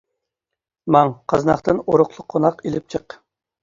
ماڭ، قازناقتىن ئۇرۇقلۇق قوناق ئېلىپ چىق!